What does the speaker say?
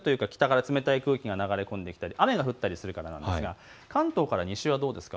ようやく北から冷たい空気が流れ込んで雨が降ったりするんですが関東から西はどうですか。